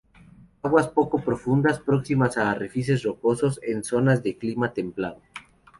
Aguas poco profundas próximas a arrecifes rocosos en zonas de clima templado.